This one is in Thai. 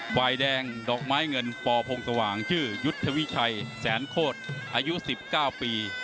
ฝ่ายแดงดอกไม้เงินปพงสว่างชื่อยุทธวิชัยแสนโคตรอายุ๑๙ปี